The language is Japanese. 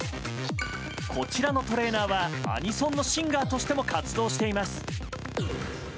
こちらのトレーナーはアニソンのシンガーとしても活動しています。